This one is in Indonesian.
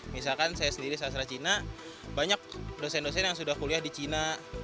misalkan saya sendiri sastra cina banyak dosen dosen yang sudah kuliah di cina